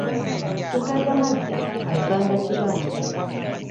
Tugalya madda, asanga kibanja.